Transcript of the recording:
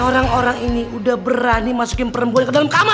orang orang ini udah berani masukin perempuan ke dalam kamar